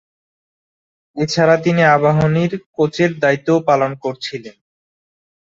এছাড়া তিনি আবাহনীর কোচের দায়িত্বও পালন করছিলেন।